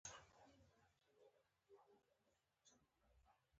له هسې مسايلو سره لاس او ګرېوان وي.